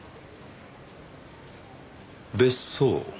別荘。